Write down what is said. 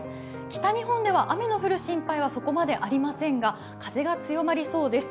北日本では雨の降る心配はそこまでありませんが風がつよまりそうです。